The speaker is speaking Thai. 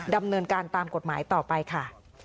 ดำเนินการตามกฎหมายต่อไปค่ะ